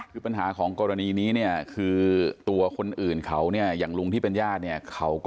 คือปัญหาของกรณีนี้เนี่ยคือตัวคนอื่นเขาเนี่ยอย่างลุงที่เป็นญาติเนี่ยเขาก็